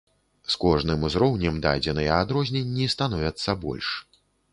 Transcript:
З кожным узроўнем дадзеныя адрозненні становяцца больш.